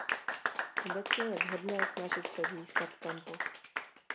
Obecně je vhodné snažit se získat tempo.